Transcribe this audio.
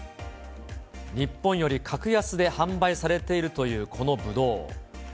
日本より格安で販売されているというこのぶどう。